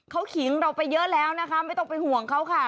เขาขิงเราไปเยอะแล้วนะคะไม่ต้องเป็นห่วงเขาค่ะ